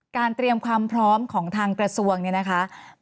เตรียมความพร้อมของทางกระทรวงเนี่ยนะคะ